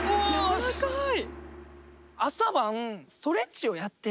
やわらかい！